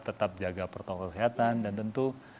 tetap jaga protokol kesehatan dan tentu